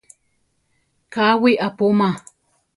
Káwi apúma.